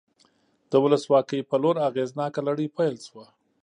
د ولسواکۍ په لور اغېزناکه لړۍ پیل شوه.